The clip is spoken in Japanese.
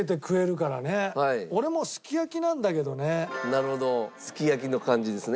なるほどすき焼きの感じですね。